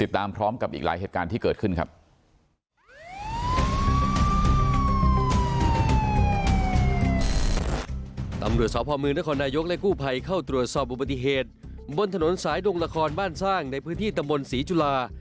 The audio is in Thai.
ในเข้าตรวจสอบอุบัติเหตุบนถนนสายดวงละครบ้านสร้างในพื้นที่ตะมนต์ศรีจุฬา